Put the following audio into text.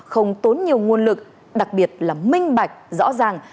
không tốn nhiều nguồn lực đặc biệt là minh bạch rõ ràng